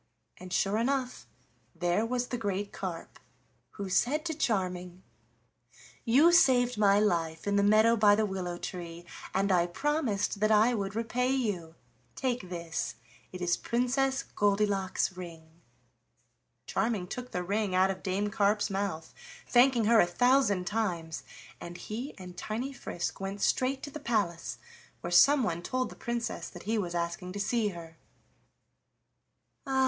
And sure enough there was the great carp, who said to Charming: "You saved my life in the meadow by the willow tree, and I promised that I would repay you. Take this, it is Princess Goldilock's ring." Charming took the ring out of Dame Carp's mouth, thanking her a thousand times, and he and tiny Frisk went straight to the palace, where someone told the Princess that he was asking to see her. "Ah!